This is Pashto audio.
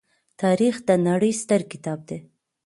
تاریخ د نړۍ ستر کتاب دی.